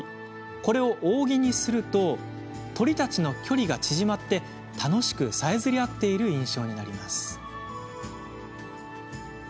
これを扇にすると鳥たちの距離が縮まり楽しくさえずり合っている印象になります。